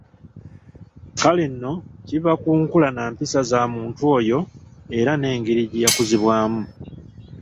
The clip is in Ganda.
Kale nno kiva ku nkula nampisa za muntu oyo era n'engeri gye yakuzibwamu.